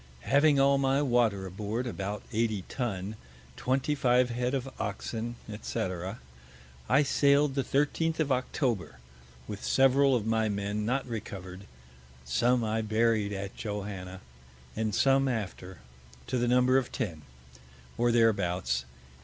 Having all my Water aboard, about 80 Tun, 25 Head of Oxen, &c., I sail'd the 13th of October, with several of my Men not recover'd; some I buried at Johanna, and some after, to the Number of Ten, or thereabouts.